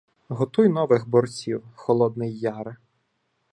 "Готуй нових борців, Холодний Яре!"